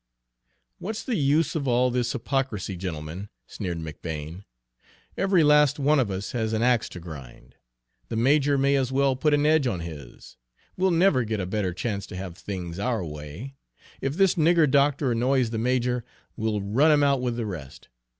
"What's the use of all this hypocrisy, gentlemen?" sneered McBane. "Every last one of us has an axe to grind! The major may as well put an edge on his. We'll never get a better chance to have things our way. If this nigger doctor annoys the major, we'll run him out with the rest.